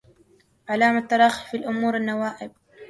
علام التراخي في الأمور النوائب